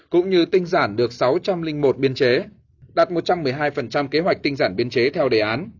cũng như tinh giản được sáu trăm linh một biên chế đạt một trăm một mươi hai kế hoạch tinh giản biên chế theo đề án